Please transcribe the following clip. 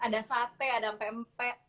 ada sate ada mpmp